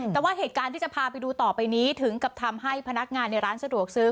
แต่ว่าเหตุการณ์ที่จะพาไปดูต่อไปนี้ถึงกับทำให้พนักงานในร้านสะดวกซื้อ